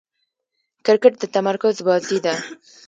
کرکټ د تمرکز بازي ده.